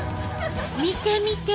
見てみて！